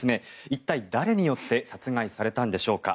一体、誰によって殺害されたんでしょうか。